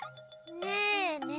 ・ねえねえ。